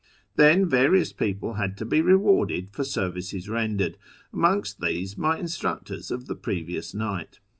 Then various people had to be rewarded for services rendered, amongst these my instructors of the previous night.